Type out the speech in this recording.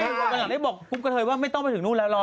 วันนี้บอกเขมท์กับเธอว่าไม่ต้องไปถึงนู้นแล้ว